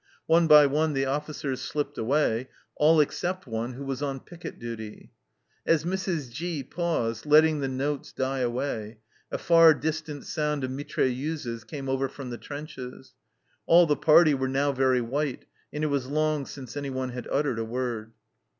One by one the officers slipped away, all except one who was on picket duty. As Mrs. G paused, letting the notes die away, a far distant sound of mitrailleuses came over from the trenches. All the party were now very white, and it was long since anyone had uttered a word.